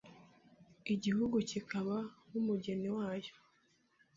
igihugu kikaba nk’umugeni wayo